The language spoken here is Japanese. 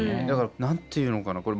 だから何ていうのかな。